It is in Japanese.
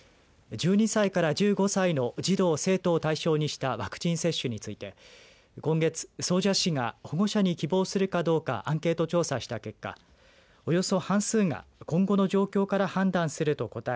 １２歳から１５歳の児童、生徒を対象にしたワクチン接種について今月、総社市が保護者に希望するかどうかアンケート調査した結果およそ半数が今後の状況から判断すると答え